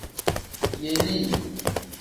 Yelii.